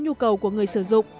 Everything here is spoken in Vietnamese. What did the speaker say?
nhu cầu của người sử dụng